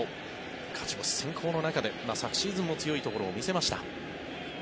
勝ち星先行の中で昨シーズンも強いところを見せました。